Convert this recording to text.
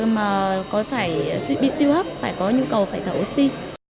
mà có phải bị suy hấp phải có nhu cầu phải thở oxy